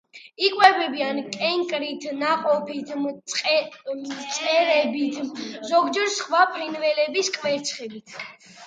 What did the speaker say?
იკვებებიან კენკრით, ნაყოფებით, მწერებით, ზოგჯერ სხვა ფრინველების კვერცხებით.